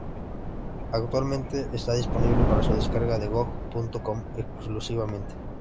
Actualmente está disponible para su descarga en GoG.com exclusivamente.